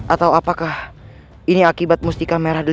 atau apakah ini akibat mustika merah dulu